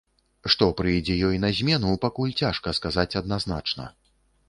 Што прыйдзе ёй на змену, пакуль цяжка сказаць адназначна.